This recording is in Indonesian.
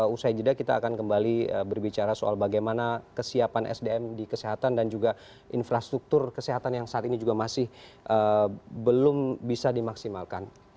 usai jeda kita akan kembali berbicara soal bagaimana kesiapan sdm di kesehatan dan juga infrastruktur kesehatan yang saat ini juga masih belum bisa dimaksimalkan